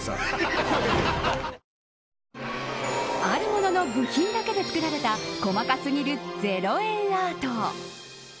あるものの部品だけで作られた細かすぎる０円アート。